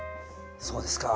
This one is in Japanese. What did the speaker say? そうですか。